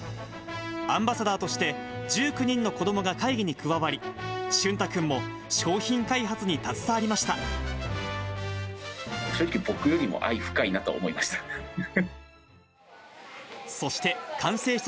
アンバサダーとして１９人の子どもが会議に加わり、正直、僕よりも愛が深いなと感じました。